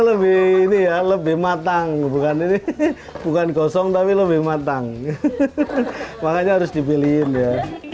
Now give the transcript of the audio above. lebih ini ya lebih matang bukan ini bukan gosong tapi lebih matang makanya harus dipilihin ya